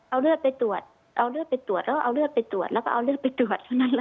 เอาเลือดไปตรวจเอาเลือดไปตรวจแล้วก็เอาเลือดไปตรวจแล้วก็เอาเลือดไปตรวจเท่านั้นแหละ